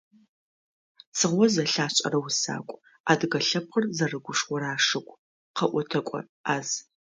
Цыгъо зэлъашӀэрэ усакӀу, адыгэ лъэпкъыр зэрыгушхорэ ашуг, къэӀотэкӀо Ӏаз.